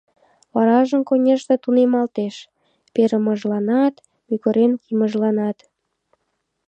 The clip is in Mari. Варажым, конешне, тунемалтеш: перымыжланат, мӱгырен кийымыжланат.